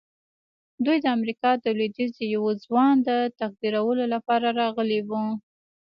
دوی د امريکا د لويديځ د يوه ځوان د تقديرولو لپاره راغلي وو.